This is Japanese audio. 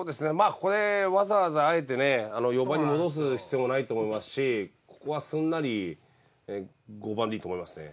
ここでわざわざあえてね４番に戻す必要もないと思いますしここはすんなり５番でいいと思いますね。